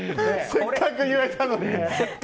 せっかく言えたのに。